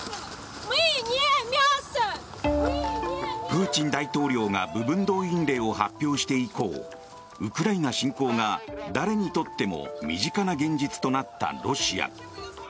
プーチン大統領が部分動員令を発表して以降ウクライナ侵攻が誰にとっても身近な現実となったロシア。